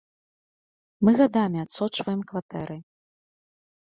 Мы гадамі адсочваем кватэры.